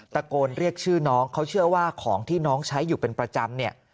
ตะโกนเรียกชื่อน้องเขาเชื่อว่าของที่น้องใช้อยู่เป็นประจำเนี่ย